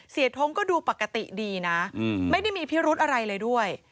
ทงก็ดูปกติดีนะไม่ได้มีพิรุธอะไรเลยด้วย